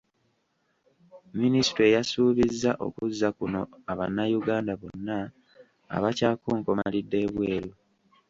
Minisitule yasuubizza okuzza kuno Abanayuganda bonna abakyakonkomalidde ebweru.